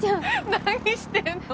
何してんの？